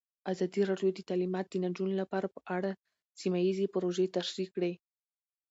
ازادي راډیو د تعلیمات د نجونو لپاره په اړه سیمه ییزې پروژې تشریح کړې.